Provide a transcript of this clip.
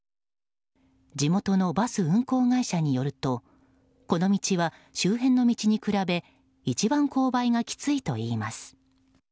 地元のバス運行会社によるとこの道は、周辺の道に比べ一番勾配がきついといいます。